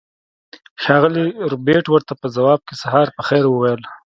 ښاغلي ربیټ ورته په ځواب کې سهار په خیر وویل